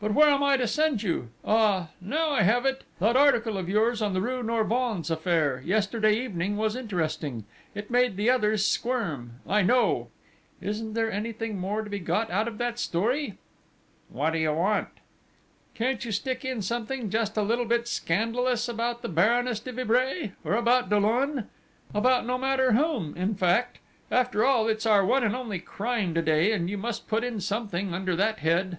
"But where am I to send you?... Ah, now I have it! That article of yours on the rue Norvins affair, yesterday evening, was interesting it made the others squirm, I know! Isn't there anything more to be got out of that story?" "What do you want?" "Can't you stick in something just a little bit scandalous about the Baroness de Vibray? Or about Dollon? About no matter whom, in fact? After all, it's our one and only crime to day, and you must put in something under that head!..."